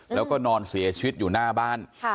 แล้วก็นอนเสียชีวิตอยู่หน้าบ้าน